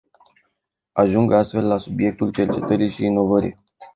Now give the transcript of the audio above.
Ajung astfel la subiectul cercetării și inovării.